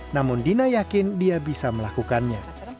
namun dina yakin dia bisa melakukannya